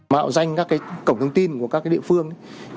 mạo danh các cái cổng thông tin của các cái địa phương